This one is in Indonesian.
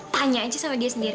tanya aja sama dia sendiri